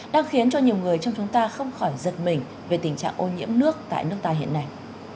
đang khiến cho nhiều người trong chúng ta không khỏi giật mình về tình trạng ô nhiễm nước tại nước ta hiện nay